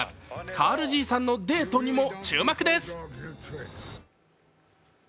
「カールじいさんのデート」にも注目です。